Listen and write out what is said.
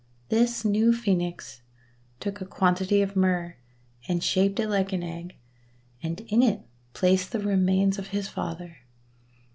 This new Phoenix took a quantity of Myrrh, and shaped it like an egg, and in it placed the remains of his father.